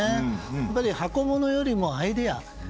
やっぱり箱物よりアイデア。